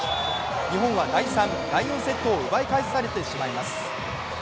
日本は第３、第４セットを奪い返されてしまいます。